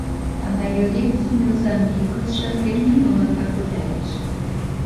A maioria dos meus amigos já terminou a faculdade.